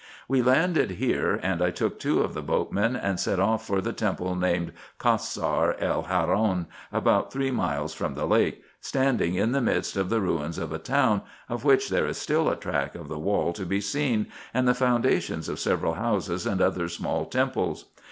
Wre landed here, and I took two of the boatmen and set off for the temple, named Cassar el Haron, about three miles from the lake, standing in the midst of the ruins of a town, of which there is still a track of the wall to be seen, and the founda tions of several houses and other small temples.